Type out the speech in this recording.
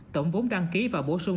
tổng vốn đăng ký và bổ sung